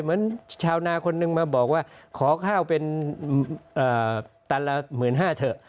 เหมือนชาวนาคนนึงมาบอกว่าขอข้าวเป็นตลาดหมื่นห้าเถอะ